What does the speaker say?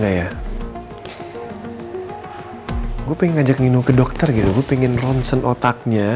saya ingin mengajak nino ke dokter saya ingin meronsen otaknya